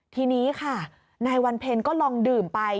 ทีนี้ค่ะนายวันเพ็ญก็ลองดื่มไป